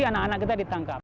anak anak kita ditangkap